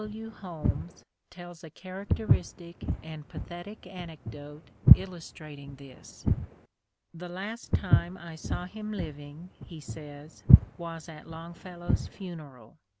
W. Holmes tells a characteristic and pathetic anecdote illustrating this. *' The last time I saw him living," he says, " was at Long fellow's funeral.